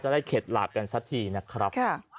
ได้เข็ดหลาบกันสักทีนะครับ